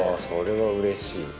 それはうれしい。